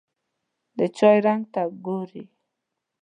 د چای رنګ ته ګوري.